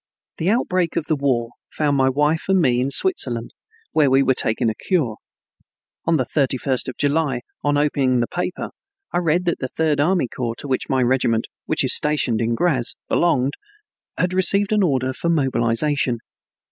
The outbreak of the war found my wife and me in Switzerland, where we were taking a cure. On the 31st of July, on opening the paper, I read that the Third Army Corps, to which my regiment (which is stationed in Graz) belonged, had received an order for mobilization.